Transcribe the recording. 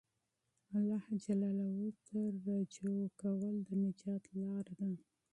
الله ته رجوع کول د نجات لاره ده.